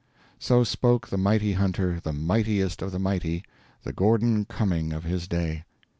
So spoke the mighty hunter, the mightiest of the mighty, the Gordon Cumming of his day.